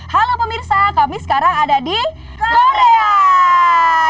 halo pemirsa kami sekarang ada di korea